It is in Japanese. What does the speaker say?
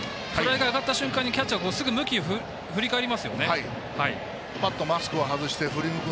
梨田さんフライが上がった瞬間にキャッチャーはすぐ向き、振り返りますよね。